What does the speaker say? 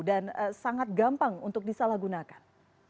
dan sangat gampang untuk disalahgunakan